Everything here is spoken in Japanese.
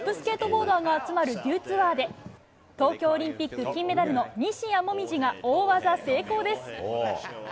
ボーダーが集まるデューツアーで、東京オリンピック金メダルの西矢椛が大技成功です。